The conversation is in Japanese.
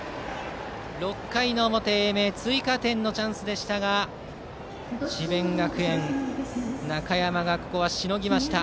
６回の表、英明追加点のチャンスでしたが智弁学園、中山がここはしのぎました。